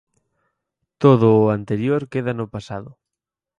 Todo o anterior queda no pasado.